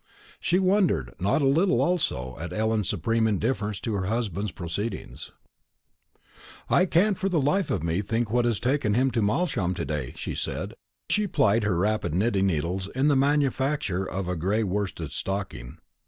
She wondered not a little also at Ellen's supreme indifference to her husband's proceedings. "I can't for the life of me think what's taken him to Malsham to day," she said, as she plied her rapid knitting needles in the manufacture of a gray worsted stocking.